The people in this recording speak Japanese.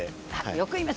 よく言います。